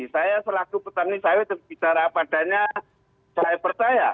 saya selaku petani sawit dan bicara padanya saya percaya